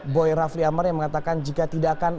boy rafli amar yang mengatakan jika tidak akan